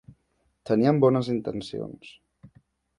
Teníem bones intencions.